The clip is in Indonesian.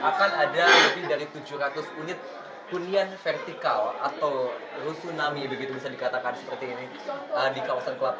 akan ada lebih dari tujuh ratus unit hunian vertikal atau rusunami begitu bisa dikatakan seperti ini di kawasan kelapa